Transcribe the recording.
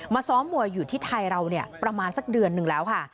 ซ้อมมวยอยู่ที่ไทยเราเนี่ยประมาณสักเดือนหนึ่งแล้วค่ะ